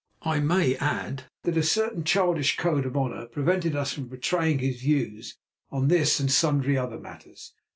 I may add that a certain childish code of honour prevented us from betraying his views on this and sundry other matters.